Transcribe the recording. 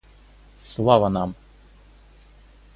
Слава нам!